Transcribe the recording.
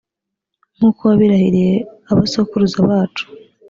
nk’uko wabirahiriye abasokuruza bacu.